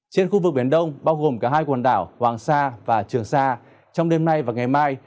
trên khu vực biển đông bao gồm cả hai quần đảo hoàng sa và trường sa trong đêm nay và ngày mai